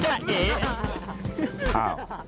จริงเหอะ